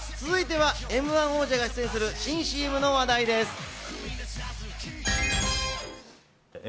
続いてはМ‐１王者が出演する新ＣＭの話題です。